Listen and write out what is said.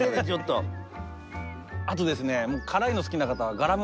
あとですね